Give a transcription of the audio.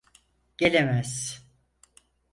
Gelemez.